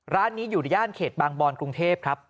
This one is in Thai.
ร้านนี้อยู่ในย่านเขตบางบอนกรุงเทพครับ